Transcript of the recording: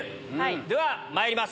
では、まいります。